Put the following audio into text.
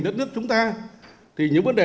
đất nước chúng ta thì những vấn đề